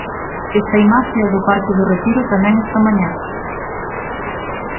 Esta imaxe é do parque do Retiro tamén esta mañá.